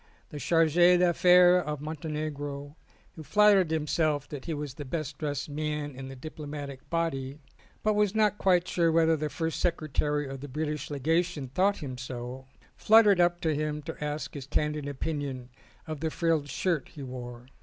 The Charge d' Affaires of Montenegro, who flattered himself that he was the best dressed man in the diplomatic body, but was not quite sure whether the first secretary of the British Legation thought him so, fluttered up to him to ask his candid opinion of the frilled shirt he wore.